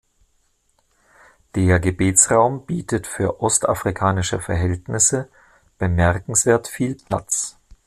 Der Gebetsraum bietet für ostafrikanische Verhältnisse bemerkenswert viel Platz.